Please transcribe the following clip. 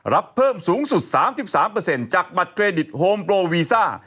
รับเพิ่มสูงสุด๓๓จากบัตรเครดิตโฮมโปรวีซ่า